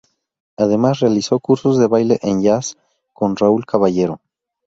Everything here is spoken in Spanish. Además realizó cursos de baile de jazz con Raúl Caballero.